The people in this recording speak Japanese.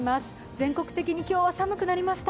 全国的に今日は寒くなりました。